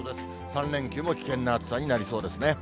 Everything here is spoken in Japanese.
３連休も危険な暑さになりそうですね。